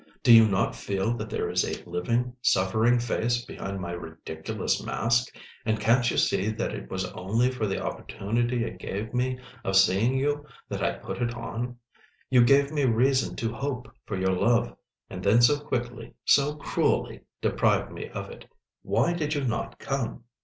Do you not feel that there is a living, suffering face behind my ridiculous mask—and can't you see that it was only for the opportunity it gave me of seeing you that I put it on? You gave me reason to hope for your love, and then so quickly, so cruelly deprived me of it. Why did you not come?"